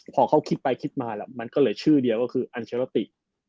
พอเขาคิดไปคิดมาแล้วมันก็เหลือชื่อเดียวก็คืออัญชรติ